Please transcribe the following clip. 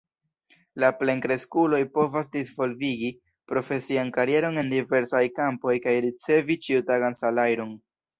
La plenkreskuloj povas disvolvigi profesian karieron en diversaj kampoj kaj ricevi ĉiutagan salajron.